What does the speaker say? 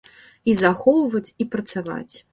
І захоўваць і працаваць.